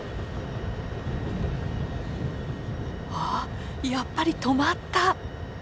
あやっぱり止まった！